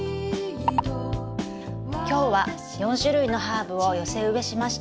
「今日は４種類のハーブを寄せ植えしました。